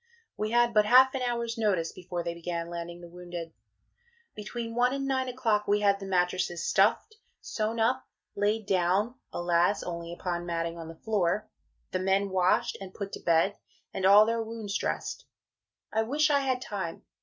We had but half an hour's notice before they began landing the wounded. Between one and 9 o'clock we had the mattresses stuffed, sewn up, laid down alas! only upon matting on the floor the men washed and put to bed, and all their wounds dressed. I wish I had time.